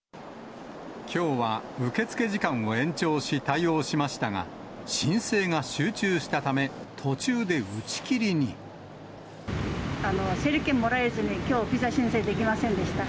きょうは、受け付け時間を延長し、対応しましたが、申請が集中したため、整理券もらえずに、きょう、ビザ申請できませんでした。